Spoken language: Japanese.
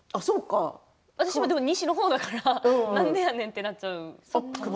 私は西の方だからなんでやねんってなっちゃう。